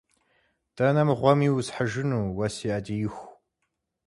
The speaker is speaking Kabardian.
Дэнэ мыгъуэми усхьыжыну, уэ си ӏэдииху?